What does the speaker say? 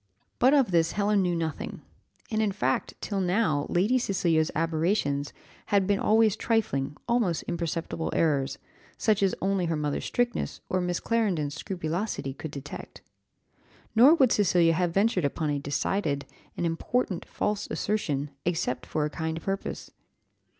But of this Helen knew nothing; and, in fact, till now Lady Cecilia's aberrations had been always trifling, almost imperceptible, errors, such as only her mother's strictness or Miss Clarendon's scrupulosity could detect. Nor would Cecilia have ventured upon a decided, an important, false assertion, except for a kind purpose.